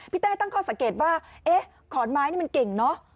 เต้ตั้งข้อสังเกตว่าเอ๊ะขอนไม้นี่มันเก่งเนอะ